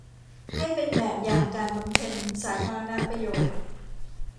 ให้เป็นแบบอย่างการบำเพ็ญสาธารณประโยชน์